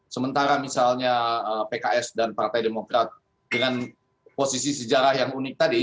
sementara misalnya pks dan partai demokrat dengan posisi sejarah yang unik tadi